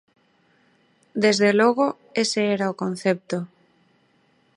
Desde logo, ese era o concepto.